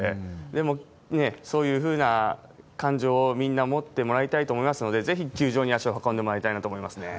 でも、そういうふうな感情をみんな持ってもらいたいと思いますので、ぜひ球場に足を運んでもらいたいなと思いますね。